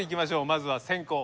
まずは先行